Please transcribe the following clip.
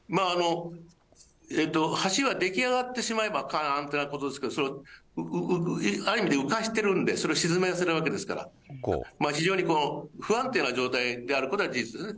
橋は出来上がってしまえば簡単なことですけど、それはある意味で浮かしているんで、なわけですから、非常に不安定な状態であることは事実ですね。